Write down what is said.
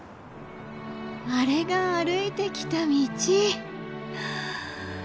あれが歩いてきた道長かった！